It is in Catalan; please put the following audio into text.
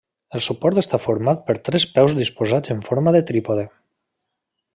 El suport està format per tres peus disposats en forma de trípode.